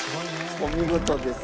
お見事です。